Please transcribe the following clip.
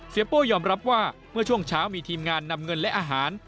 โป้ยอมรับว่าเมื่อช่วงเช้ามีทีมงานนำเงินและอาหาร